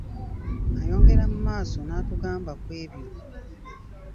Ayongera mu maaso n’atugamba ku ebyo